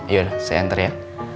yaudah saya antar ya